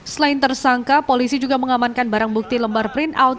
selain tersangka polisi juga mengamankan barang bukti lembar print out